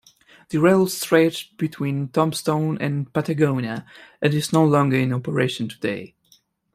The rail stretched between Tombstone and Patagonia and is no longer in operation today.